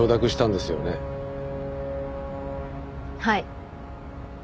はい。